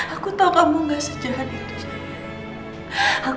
aku tau kamu gak sejahat itu sayang